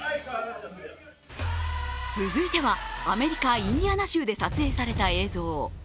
続いては、アメリカ・インディアナ州で撮影された映像。